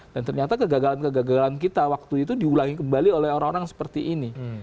dan ternyata kegagalan kegagalan kita waktu itu diulangi kembali oleh orang orang seperti ini